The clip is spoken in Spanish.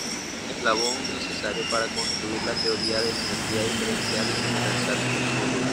Eslabón necesario para construir la teoría de geometría diferencial y generalizar su estudio.